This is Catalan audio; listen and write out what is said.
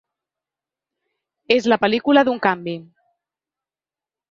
És la pel·lícula d’un canvi.